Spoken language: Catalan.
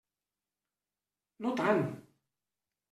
No tant.